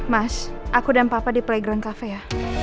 mas aku dan papa di playground cafe ya